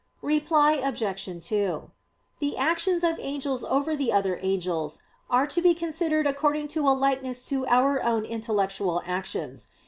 Reply Obj. 2: The actions of angels over the other angels are to be considered according to a likeness to our own intellectual actions.